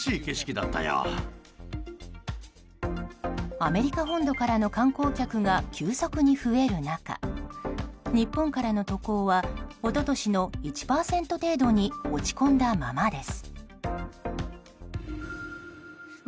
アメリカ本土からの観光客が急速に増える中日本からの渡航は一昨年の１％程度に落ち込んだままです。